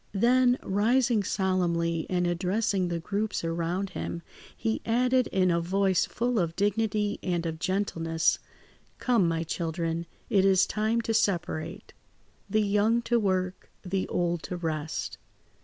Then, rising solemnly and addressing the groups around him, he added in a voice full of dignity and of gentleness. "Come, my children, it is time to separate. The young to work, the old to rest.